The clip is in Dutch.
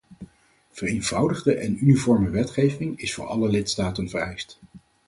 Vereenvoudigde en uniforme wetgeving is voor alle lidstaten vereist.